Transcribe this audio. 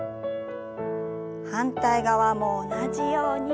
反対側も同じように。